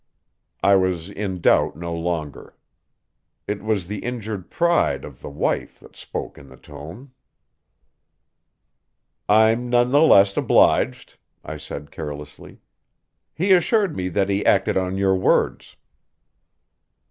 I was in doubt no longer. It was the injured pride of the wife that spoke in the tone. "I'm none the less obliged," I said carelessly. "He assured me that he acted on your words."